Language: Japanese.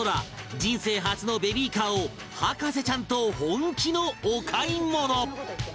人生初のベビーカーを博士ちゃんと本気のお買い物